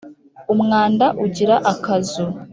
Umwanda ugira akazu.